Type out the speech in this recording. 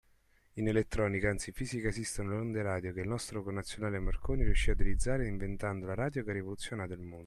In elettronica, anzi in fisica, esistono le onde radio che il nostro connazionale Marconi riuscì ad utilizzare inventando la radio che ha rivoluzionato il mondo.